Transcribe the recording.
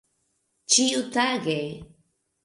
ĉiutage